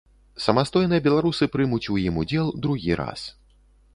Самастойна беларусы прымуць у ім удзел другі раз.